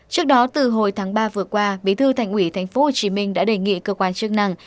trước đó từ hồi tháng ba vừa qua bí thư thành ủy tp hcm đã đề nghị cơ quan chức năng